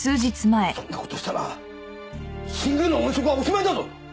そんな事したら新宮の音色はおしまいだぞ！